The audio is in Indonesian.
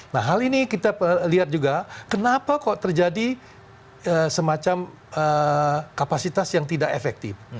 nah hal ini kita lihat juga kenapa kok terjadi semacam kapasitas yang tidak efektif